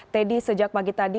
teddy sejak pagi tadi